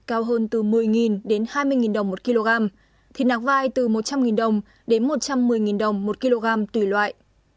cao hơn từ một mươi đến hai mươi đồng một kg thịt nạc vai từ một trăm linh đồng đến một trăm một mươi đồng một kg tùy loại